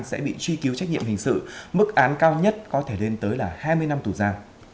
sẽ bị truy cứu trách nhiệm hình sự mức án cao nhất có thể lên tới hai mươi năm tù giam